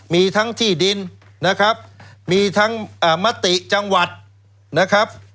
มีทั้งที่ดินนะครับมีทั้งมติจังหวัดนะครับ